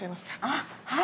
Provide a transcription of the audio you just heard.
あっはい。